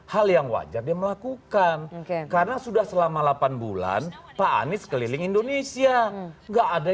hal yang wajar steam melakukan karena sudah selama delapan bulan pak andi sekeliling indonesia nggak